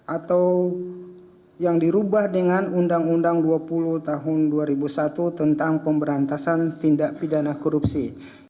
atau yang dirubah dengan undang undang dua puluh tahun dua ribu satu tentang pemberantasan tindak pidana korupsi